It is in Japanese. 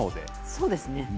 そうですね。